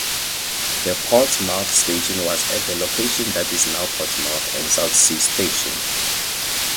The Portsmouth station was at the location that is now Portsmouth and Southsea station.